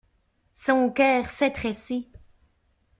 Son cœur s'étrécit.